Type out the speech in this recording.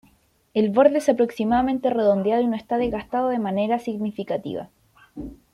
El borde es aproximadamente redondeado y no está desgastado de manera significativa.